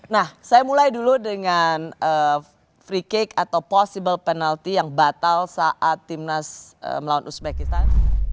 nah saya mulai dulu dengan free cake atau possible penalti yang batal saat timnas melawan uzbekistan